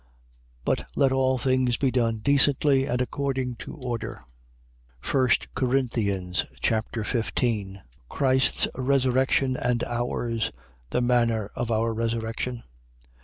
14:40. But let all things be done decently and according to order. 1 Corinthians Chapter 15 Christ's resurrection and ours. The manner of our resurrection.